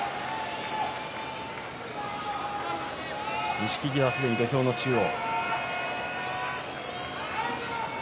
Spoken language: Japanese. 錦木はすでに土俵の中央。